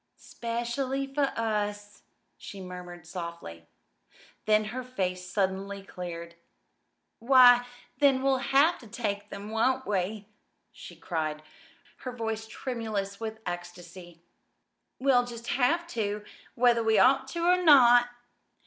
"'Specially for us," she murmured softly. Then her face suddenly cleared. "Why, then we'll have to take them, won't we?" she cried, her voice tremulous with ecstasy. "We'll just have to whether we ought to or not!"